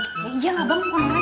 iya lah bang kamarnya